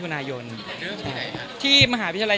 แต่สมัยนี้ไม่ใช่อย่างนั้น